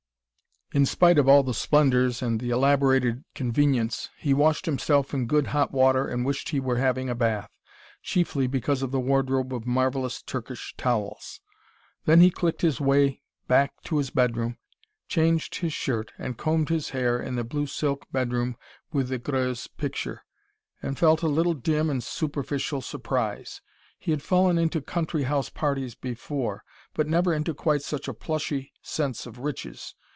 In spite of all the splendours and the elaborated convenience, he washed himself in good hot water, and wished he were having a bath, chiefly because of the wardrobe of marvellous Turkish towels. Then he clicked his way back to his bedroom, changed his shirt and combed his hair in the blue silk bedroom with the Greuze picture, and felt a little dim and superficial surprise. He had fallen into country house parties before, but never into quite such a plushy sense of riches.